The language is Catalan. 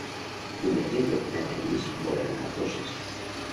Diumenge en Llop i na Thaís volen anar a Toses.